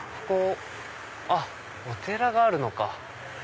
ここあっお寺があるのか。